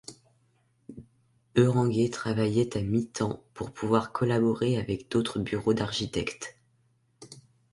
Berenguer travaillait à mi-temps pour pouvoir collaborer avec d'autres bureaux d'architectes.